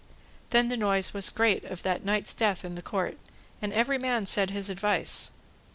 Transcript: Then the noise was great of that knight's death in the court, and every man said his advice.